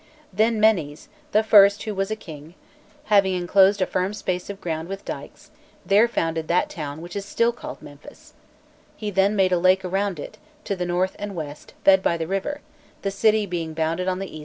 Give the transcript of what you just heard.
Then Menés, the first who was king, having enclosed a firm space of ground with dykes, there founded that town which is still called Memphis; he then made a lake round it, to the north and west, fed by the river, the city being bounded on the east by the Nile."